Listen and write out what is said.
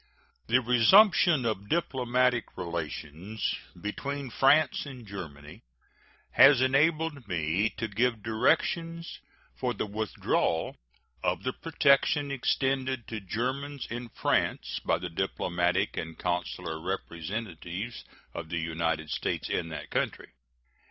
The resumption of diplomatic relations between France and Germany has enabled me to give directions for the withdrawal of the protection extended to Germans in France by the diplomatic and consular representatives of the United States in that country.